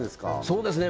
そうですね